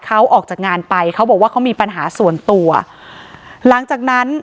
เขาออกจากงานไปเขาบอกว่าเขามีปัญหาส่วนตัวหลังจากนั้น